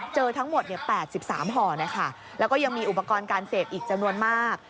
เจอทั้งหมด๘๓ห่อนะคะแล้วก็ยังมีอุปกรณ์การเสพอีกจำนวนมาก